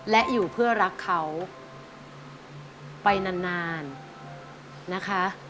และอยู่เพื่อรักเขาไปนานนะคะ